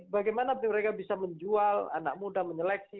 bagaimana mereka bisa menjual anak muda menyeleksi